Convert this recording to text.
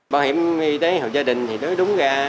bảo hiểm y tế hợp gia đình thì đúng ra